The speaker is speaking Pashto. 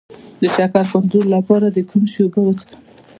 د شکر کنټرول لپاره د کوم شي اوبه وڅښم؟